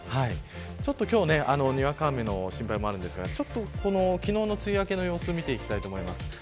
今日はにわか雨の心配もありますが昨日の梅雨明けの様子を見ていきたいと思います。